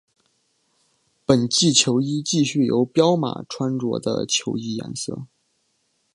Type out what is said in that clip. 本季球衣继续由彪马穿着的球衣颜色。